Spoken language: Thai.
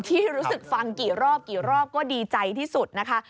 ที่รู้สึกฟังกี่รอบกี่รอบก็ดีใจที่สุดนะคะ